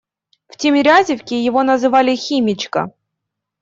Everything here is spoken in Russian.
В Тимирязевке его называли «Химичка».